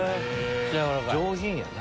上品やな。